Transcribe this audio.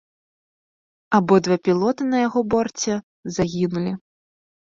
Абодва пілоты на яго борце загінулі.